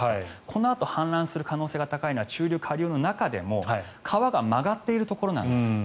このあと氾濫する可能性が高いのは中流、下流の中でも川が曲がっているところなんです。